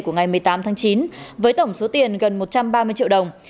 của ngày một mươi tám tháng chín với tổng số tiền gần một trăm ba mươi triệu đồng